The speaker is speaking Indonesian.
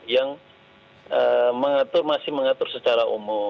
yang mengatur masih mengatur secara umum